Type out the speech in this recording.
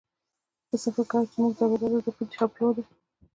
پسه فکر کاوه چې زموږ دروازه د ده د چپلو ده.